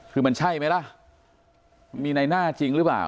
คือมันใช่ไหมล่ะมีในหน้าจริงหรือเปล่า